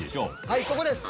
はいここです。